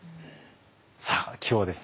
さあ今日はですね